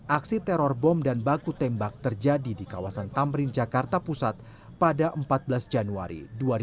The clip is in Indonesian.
aksi teror bom dan baku tembak terjadi di kawasan tamrin jakarta pusat pada empat belas januari dua ribu dua puluh